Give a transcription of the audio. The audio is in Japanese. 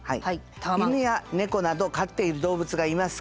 犬や猫など飼っている動物がいますか？